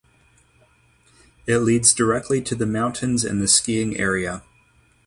It leads directly to the mountains and the skiing area.